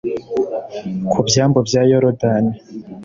ku byambu bya Yorodani